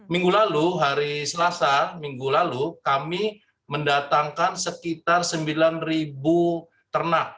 minggu lalu hari selasa minggu lalu kami mendatangkan sekitar sembilan ribu ternak